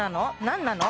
何なの？